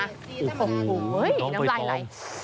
โอ้โฮเฮ้ยน้ำลายไว้